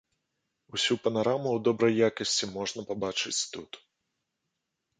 Усю панараму ў добрай якасці можна пабачыць тут.